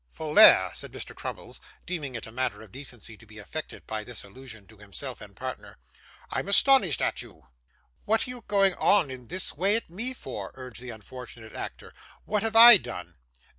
'Folair,' said Mr. Crummles, deeming it a matter of decency to be affected by this allusion to himself and partner, 'I'm astonished at you.' 'What are you going on in this way at me for?' urged the unfortunate actor. 'What have I done?